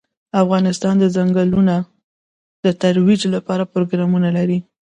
افغانستان د ځنګلونه د ترویج لپاره پروګرامونه لري.